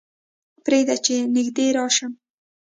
پرېږده چې نږدې راشي.